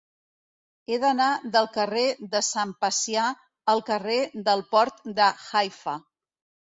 He d'anar del carrer de Sant Pacià al carrer del Port de Haifa.